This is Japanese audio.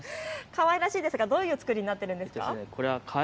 かわいいですが、どんな作りになっているんですか。